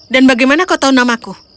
dan bagaimana kau tahu namaku